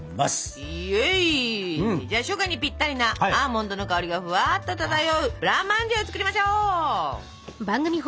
イエイ初夏にピッタリなアーモンドの香りがふわっと漂うブランマンジェを作りましょう。